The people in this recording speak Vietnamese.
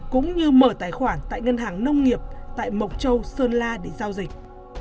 cũng như mở tài khoản tại ngân hàng nông nghiệp tại mộc châu sơn la để giao dịch